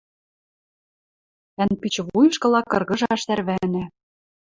Ӓнпичӹ вуйышкыла кыргыжаш тӓрвӓнӓ.